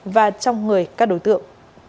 và trong người các đối tượng